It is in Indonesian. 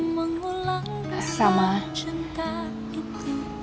mengulangkan cinta itu